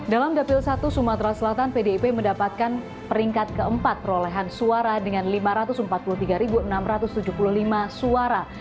dalam dapil satu sumatera selatan pdip mendapatkan peringkat keempat perolehan suara dengan lima ratus empat puluh tiga enam ratus tujuh puluh lima suara